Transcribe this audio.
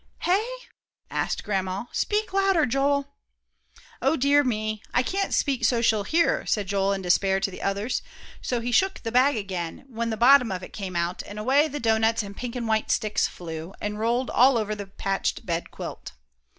"Hey?" asked Grandma; "speak louder, Joel." "O dear me! I can't speak so's she'll hear," said Joel, in despair, to the others. So he shook the bag again, when the bottom of it came out, and away the doughnuts and pink and white sticks flew, and rolled all over the patched bed quilt.